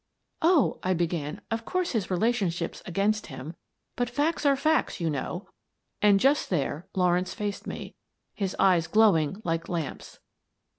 "" Oh," I began, " of course his relationship's against him, but facts are facts, you know." And just there Lawrence faced me, his eyes glow ing like lamps.